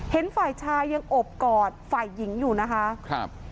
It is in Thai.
เห็นฝ่ายชายยังอบกอดฝ่ายหญิงอยู่นะคะครับ